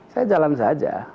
saya jalan saja